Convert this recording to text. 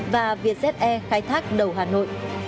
và vietjet air khai thác đầu hà nội